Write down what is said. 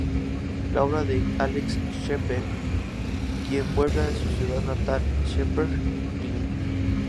La obra sigue a Alex Shepherd, quien vuelve a su ciudad natal Shepherd's Glen.